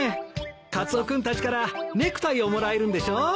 カツオ君たちからネクタイをもらえるんでしょ？